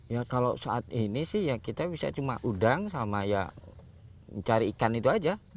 ya kalau saat ini sih ya kita bisa cuma udang sama ya mencari ikan itu aja